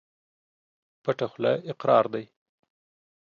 پټه خوله اقرار دى.